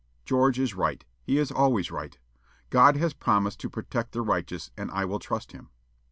George is right; he is always right. God has promised to protect the righteous, and I will trust him."